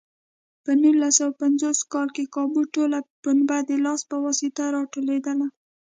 په نولس سوه پنځوس کال کې کابو ټوله پنبه د لاس په واسطه راټولېده.